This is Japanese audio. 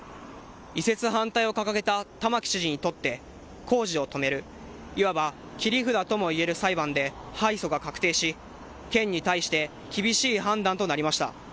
移設反対を掲げた玉城知事にとって、工事を止める、いわば切り札ともいえる裁判で敗訴が確定し、県に対して厳しい判断となりました。